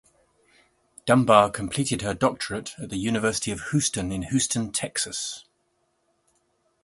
Dunbar completed her doctorate at the University of Houston in Houston, Texas.